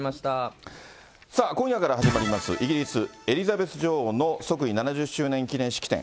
さあ、今夜から始まります、イギリス、エリザベス女王の即位７０周年記念式典。